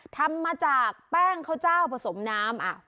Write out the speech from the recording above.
ทำมาจากแป้งข้าวเจ้าผสมน้ำ